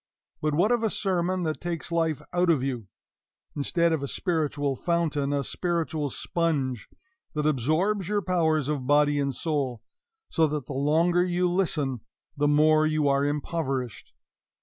But what of a sermon that takes life out of you, instead of a spiritual fountain, a spiritual sponge that absorbs your powers of body and soul, so that the longer you listen the more you are impoverished?